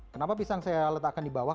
kenapa pisang saya letakkan di bawah